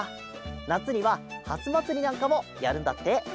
なつにはハスまつりなんかもやるんだって。